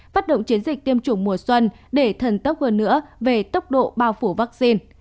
phát động chiến dịch tiêm chủng mùa xuân để thần tốc hơn nữa về tốc độ bao phủ vaccine